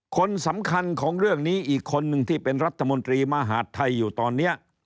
คนสำคัญของเรื่องนี้อีกคนนึงที่เป็นรัฐมนตรีมหาดไทยอยู่ตอนนี้